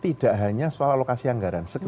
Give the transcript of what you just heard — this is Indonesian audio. tidak hanya soal alokasi anggaran